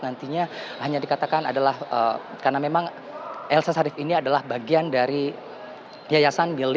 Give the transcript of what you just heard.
nantinya hanya dikatakan adalah karena memang elsa sharif ini adalah bagian dari yayasan